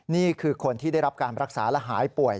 นี่คือคนที่ได้รับการรักษาและหายป่วย